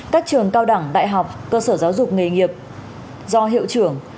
các trường cao đẳng đại học cơ sở giáo dục nghề nghiệp do hiệu trưởng